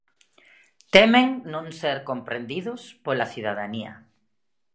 Temen non ser comprendidos pola cidadanía.